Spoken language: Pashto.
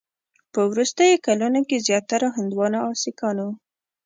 په وروستیو کلونو کې زیاتره هندوانو او سیکانو